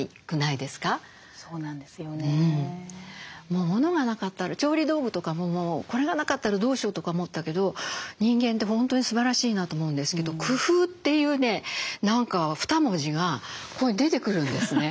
もう物がなかったら調理道具とかももうこれがなかったらどうしようとか思ってたけど人間って本当にすばらしいなと思うんですけど「工夫」というね何か二文字がここに出てくるんですね。